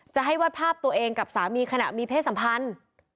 จะให้วาดภาพตัวเองกับสามีขณะมีเพศสัมพันธ์